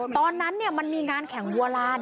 ตอนนั้นมันมีงานแข่งวัวลาน